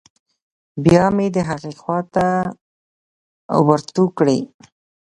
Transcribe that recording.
بيا مې د هغې خوا ته ورتو کړې.